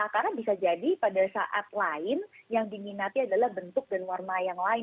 karena bisa jadi pada saat lain yang diminati adalah bentuk dan warna yang lain